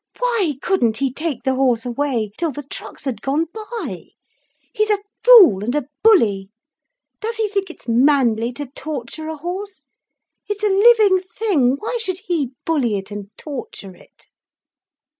"Why couldn't he take the horse away, till the trucks had gone by? He's a fool, and a bully. Does he think it's manly, to torture a horse? It's a living thing, why should he bully it and torture it?"